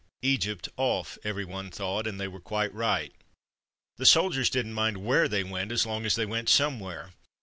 Egypt "off,'' everyone thought, and they were quite right. The soldiers didn't mind where they went as long as they went somewhere.